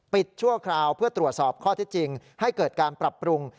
ชั่วคราวเพื่อตรวจสอบข้อที่จริงให้เกิดการปรับปรุง